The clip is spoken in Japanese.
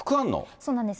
そうなんです。